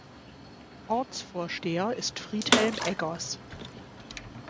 Ortsvorsteher ist Friedhelm Eggers.